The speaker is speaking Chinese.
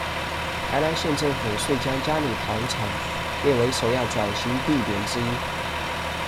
台南县政府遂将佳里糖厂列为首要转型地点之一。